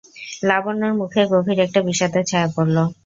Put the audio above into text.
লাবণ্যর মুখে গভীর একটা বিষাদের ছায়া পড়ল।